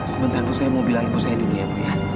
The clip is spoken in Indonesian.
sebentar ibu saya mau bilang ibu saya dulu ya ibu